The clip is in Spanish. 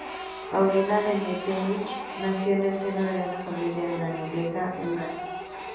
Paulina de Metternich nació en el seno de una familia de la nobleza húngara.